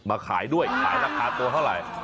ขายด้วยขายราคาตัวเท่าไหร่